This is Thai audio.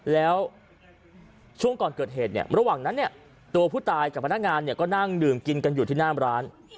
แล้วช่วงก่อนเกิดเหตุเนี่ยระหว่างนั้นเนี่ยตัวผู้ตายกับพนักงานก็นั่งดื่มกินกันอยู่ที่หน้าร้าน